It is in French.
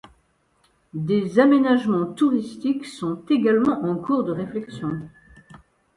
Des aménagements touristiques sont également en cours de réflexion.